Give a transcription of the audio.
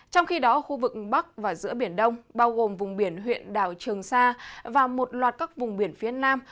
trong khi đó khu vực bắc và giữa biển đông bao gồm vùng biển huyện đảo trường sa và một loạt các vùng biển phía nam